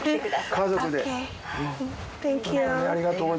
家族で。